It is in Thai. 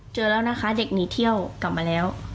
เจอแล้วนะคะเด็กหนีเที่ยวกลับมาแล้ว